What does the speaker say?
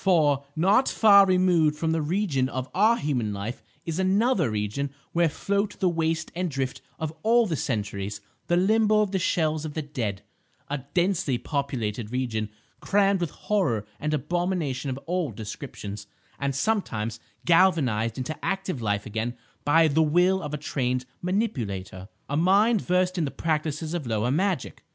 For, not far removed from the region of our human life is another region where float the waste and drift of all the centuries, the limbo of the shells of the dead; a densely populated region crammed with horror and abomination of all descriptions, and sometimes galvanised into active life again by the will of a trained manipulator, a mind versed in the practices of lower magic.